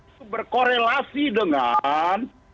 itu berkorelasi dengan